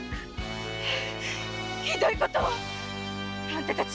ひどいことを！あんた達！